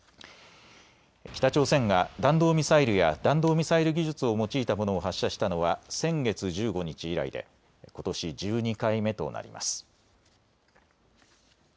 北朝鮮が弾道ミサイルや弾道ミサイル技術を用いたものを発射したのは先月１５日以来でことし１２回目となります。